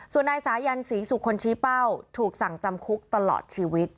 ส่วนนายสายันศรีสุคนชี้เป้าถูกสั่งจำคุกตลอดชีวิต